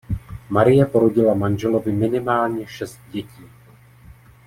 Marie porodila manželovi minimálně šest dětí.